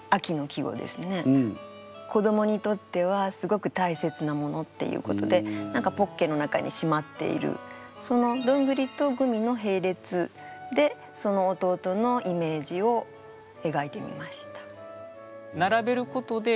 子どもにとってはすごく大切なものっていうことでポッケの中にしまっているそのどんぐりとグミの並列でその弟のイメージをえがいてみました。